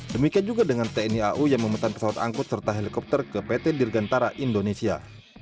demikian juga dengan tni au yang memesan pesawat angkut serta helikopter ke pt dirgantara indonesia